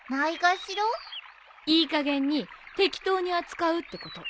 いいかげんに適当に扱うってこと。